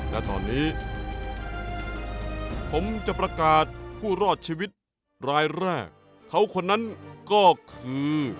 และตอนนี้ผมจะประกาศผู้รอดชีวิตรายแรกเขาคนนั้นก็คือ